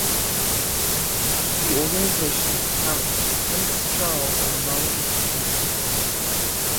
The organization counts Prince Charles among its patrons.